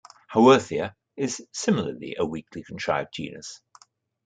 "Haworthia" is similarly a weakly contrived genus.